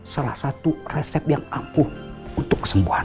salah satu resep yang ampuh untuk kesembuhan